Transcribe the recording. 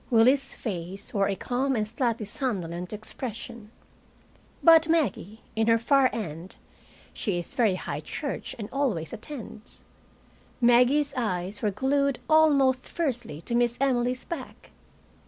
Willie's face wore a calm and slightly somnolent expression. But Maggie, in her far end she is very high church and always attends Maggie's eyes were glued almost fiercely to Miss Emily's back.